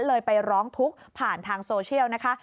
เลยไปร้องทุกข์ผ่านทางโซเชียลนะคะ